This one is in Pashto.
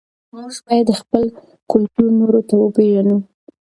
موږ باید خپل کلتور نورو ته وپېژنو.